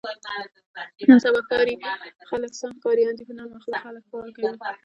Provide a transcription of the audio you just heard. نن سبا ښاري خلک سم ښکاریان دي. په نرمه خوله خلک ښکار کوي.